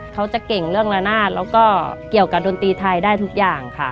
เขาจะเก่งเรื่องละนาดแล้วก็เกี่ยวกับดนตรีไทยได้ทุกอย่างค่ะ